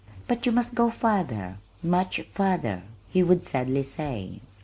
"But you must go farther, much farther," he would sadly say.